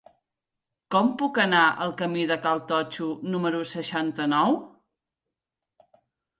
Com puc anar al camí de Cal Totxo número seixanta-nou?